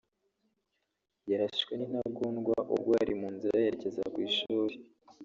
yarashwe n’intagondwa ubwo yari mu nzira yerekeza ku ishuri